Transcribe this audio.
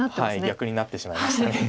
逆になってしまいました。